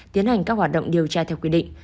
tiến hành các hoạt động điều tra theo quy định